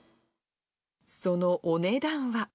そのお値段は。